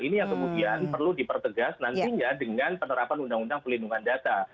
ini yang kemudian perlu dipertegas nantinya dengan penerapan undang undang pelindungan data